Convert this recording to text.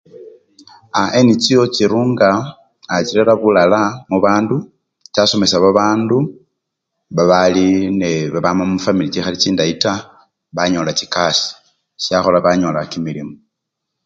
A! NGO chirunga a! chirera bulala mubandu, chasomesa babandu babali! nee! babama mufwamili chikhali bulayi taa, banyola chikasii syakhola banyola kimilimo.